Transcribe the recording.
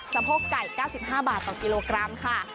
สะโพกไก่๙๕บาทต่อกิโลกรัมค่ะ